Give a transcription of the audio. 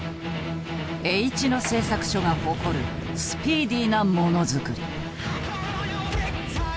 Ｈ野製作所が誇るスピーディーなものづくり。